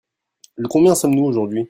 Le combien sommes-nous aujourd'hui ?